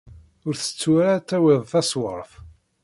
Ur tettu ara ad tawiḍ taṣewwart.